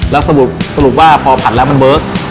แล้วสรุปว่าพอผัดแล้วมันเบิร์ก